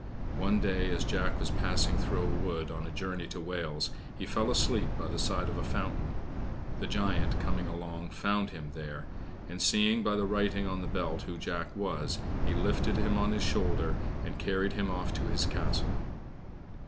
One day, as Jack was passing through a wood on a journey to Wales, he fell asleep by the side of a fountain. The Giant, coming along, found him there; and, seeing by the writing on the belt who Jack was, he lifted him on his shoulder and carried him off to his castle.